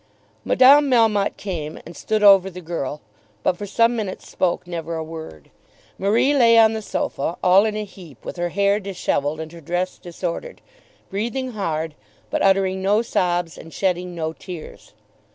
Madame Melmotte came and stood over the girl, but for some minutes spoke never a word. Marie lay on the sofa, all in a heap, with her hair dishevelled and her dress disordered, breathing hard, but uttering no sobs and shedding no tears.